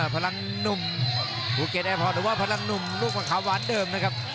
พลังหนุ่มหรือว่าพลังหนุ่มลูกหวังขาวหวานเดิมนะครับ